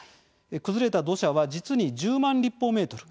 崩れた土砂は実に１０万立方メートル。